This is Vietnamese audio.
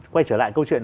quay trở lại câu chuyện